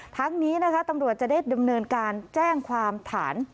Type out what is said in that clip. ทั้งนี้นะคะตำรวจจะได้ดำเนินการแจ้งความฐาน